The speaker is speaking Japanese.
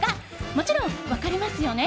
もちろん分かりますよね？